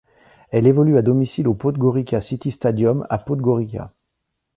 Elle évolue à domicile au Podgorica City Stadium à Podgorica.